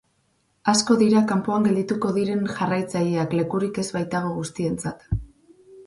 Asko dira kanpoan geldituko diren jarraitzaileak lekurik ez baitago guztientzat.